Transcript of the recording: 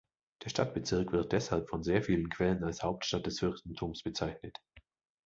Der Stadtbezirk wird deshalb von sehr vielen Quellen als Hauptstadt des Fürstentums bezeichnet.